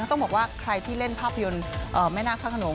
ต้องบอกว่าใครที่เล่นภาพยนตร์แม่นาคพระขนง